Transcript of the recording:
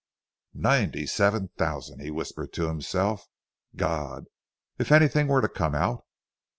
"Ninety seven thousand," he whispered to himself. "God! If anything were to come out!"